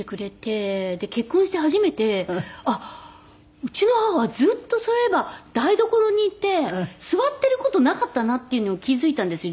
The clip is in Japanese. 結婚して初めてあっうちの母はずっとそういえば台所にいて座っている事なかったなっていうのを気付いたんですよ。